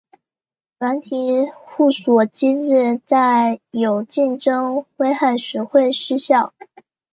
软体互锁机制在有竞争危害时会失效。